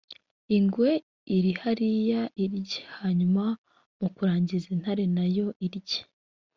ingwe iri hariya iyirye hanyuma mu kurangiza intare na yo iyirye